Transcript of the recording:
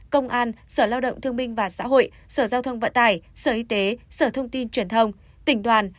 công an sở lao động thương minh và xã hội sở giao thông vận tải sở y tế sở thông tin truyền thông tỉnh đoàn